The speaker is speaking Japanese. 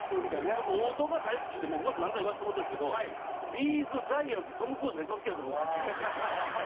僕王道が大好きってもうここで毎回言わせてもらってるんですけどＢ’ｚジャイアンツトム・クルーズが一番好きなんです僕はっきり言うて。